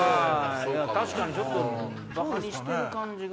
確かにちょっとバカにしてる感じが。